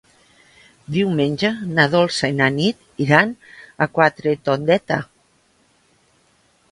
Diumenge na Dolça i na Nit iran a Quatretondeta.